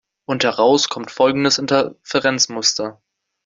Und heraus kommt folgendes Interferenzmuster.